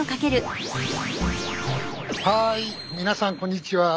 はい皆さんこんにちは。